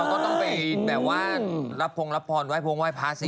เราก็ต้องไปแบบว่ารับพงศ์รับพรรณไว้พงศ์ไว้พลัศน์สิ